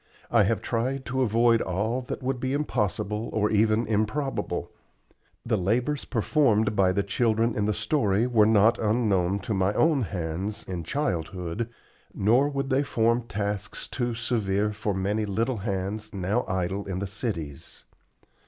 I have tried to avoid all that would be impossible or even improbable. The labors performed by the children in the story were not unknown to my own hands, in childhood, nor would they form tasks too severe for many little hands now idle in the cities.